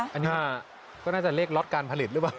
อันนี้ก็น่าจะเลขล็อตการผลิตหรือเปล่า